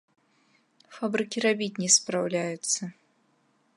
Фабрыкі рабіць не спраўляюцца.